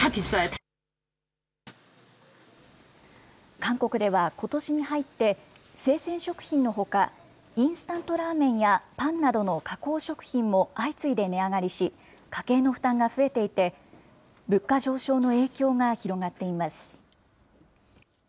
韓国ではことしに入って、生鮮食品のほか、インスタントラーメンやパンなどの加工食品も相次いで値上がりし、家計の負担が増えていて、物価上昇の影響が広がっています。